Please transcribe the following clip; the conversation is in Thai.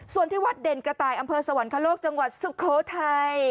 ส่วนที่วัดเด่นกระต่ายอำเภอสวรรคโลกจังหวัดสุโขทัย